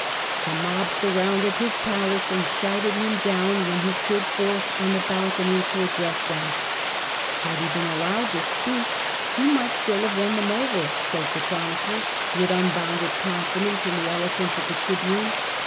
The mob surrounded his palace, and shouted him down when he stood forth on the balcony to address them. Had he been allowed to speak, he might still ITALY, 1313 1378 87 have won them over, says the Chronicler, with un bounded confidence in the eloquence of the Tribune.